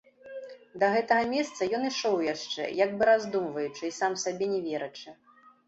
Да гэтага месца ён ішоў яшчэ, як бы раздумваючы і сам сабе не верачы.